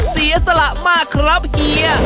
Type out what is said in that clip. เสียสละมากครับเฮีย